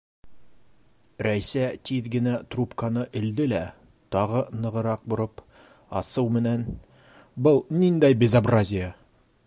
Рәйсә тиҙ генә трубканы элде лә, тағы нығыраҡ бороп, асыу менән: - Был ниндәй безобразие!